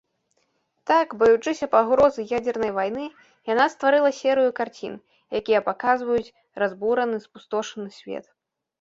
Так, баючыся пагрозы ядзернай вайны, яна стварыла серыю карцін, якія паказваюць разбураны, спустошаны свет.